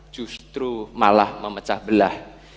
justru malah memecah belah